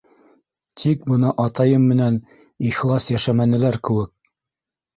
Тик бына атайым менән ихлас йәшәмәнеләр кеүек...